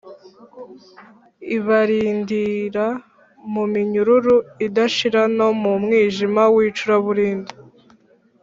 ibarindira mu minyururu idashira no mu mwijima w’icuraburindi